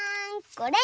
これ！